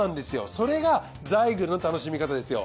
それがザイグルの楽しみ方ですよ。